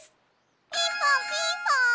ピンポンピンポン！